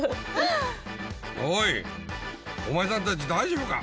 おいお前さんたち大丈夫か？